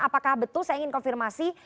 apakah betul saya ingin konfirmasi